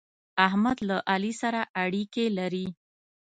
احمد له علي سره اړېکې لري.